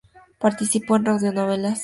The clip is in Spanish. Participó en radionovelas.